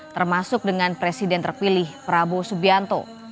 termasuk dengan presiden terpilih prabowo subianto